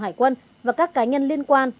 hải quân và các cá nhân liên quan